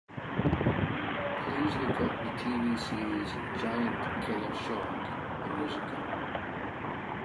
Please look up the TV series Giant Killer Shark: The Musical.